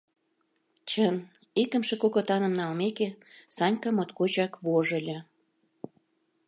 Чын, икымше кокытаным налмеке, Санька моткочак вожыльо.